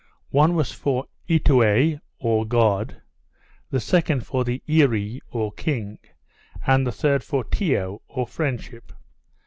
One was for Eatoua (or God), the second for the Earee (or king), and the third for Tiyo (or friendship).